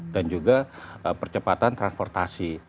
dan juga percepatan transportasi